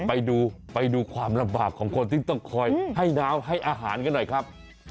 ไปดูไปดูความลำบากของคนที่ต้องคอยให้น้ำให้อาหารกันหน่อยครับ